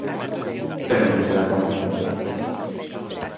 Pero non será fácil facer pactos.